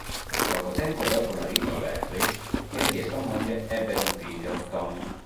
Poco tempo dopo l'arrivo a Berkeley, egli e sua moglie ebbero un figlio, Tom.